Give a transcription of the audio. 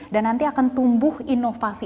dan nanti akan tumbuh inovasi